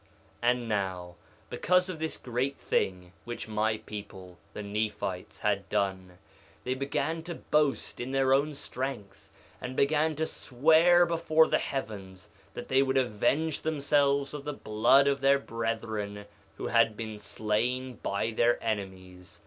3:9 And now, because of this great thing which my people, the Nephites, had done, they began to boast in their own strength, and began to swear before the heavens that they would avenge themselves of the blood of their brethren who had been slain by their enemies.